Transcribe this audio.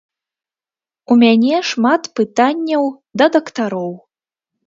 У мяне шмат пытанняў да дактароў.